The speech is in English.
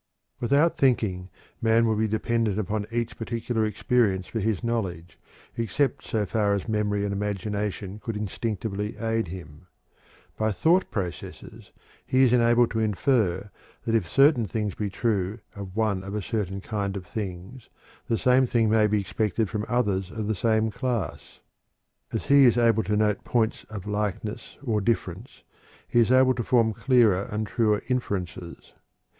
Without thinking, man would be dependent upon each particular experience for his knowledge, except so far as memory and imagination could instinctively aid him. By thought processes he is enabled to infer that if certain things be true of one of a certain kind of things, the same thing may be expected from others of the same class. As he is able to note points of likeness or difference, he is able to form clearer and truer inferences.